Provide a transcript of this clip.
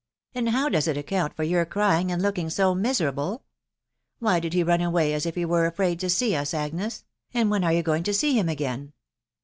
•and how does it account for your crying and 1^wM g ■ miserable ? Why did he run away as if he were afttiiti see us, Agnes ? and when are you going to see him again?"